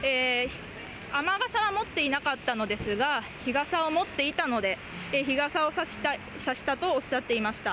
雨傘は持っていなかったのですが、日傘は持っていたので、日傘を差したとおっしゃっていました。